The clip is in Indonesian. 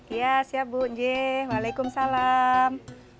iya siap bu jee walaikum salam